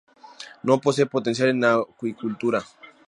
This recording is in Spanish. No posee potencial en acuicultura.